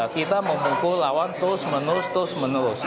kita memukul lawan terus menerus terus menerus